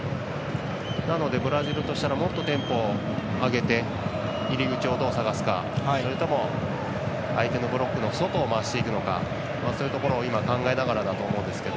なのでブラジルとしたらもっとテンポを上げて入り口をどう探すかそれとも相手のブロックの外を回していくのかそういうところを今、考えながらだと思うんですけど。